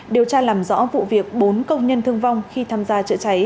điều tra làm rõ vụ việc bốn công nhân thương vong khi tham gia chữa cháy